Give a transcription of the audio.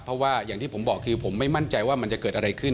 เพราะว่าอย่างที่ผมบอกคือผมไม่มั่นใจว่ามันจะเกิดอะไรขึ้น